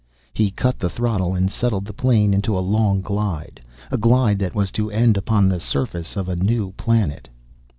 He cut the throttle, and settled the plane into a long glide, a glide that was to end upon the surface of a new planet!